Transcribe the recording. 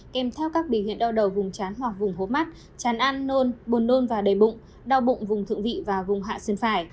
kem theo các biểu hiện đau đầu vùng chán hoặc vùng hốp mắt chán ăn nôn bồn nôn và đầy bụng đau bụng vùng thượng vị và vùng hạ xuyên phải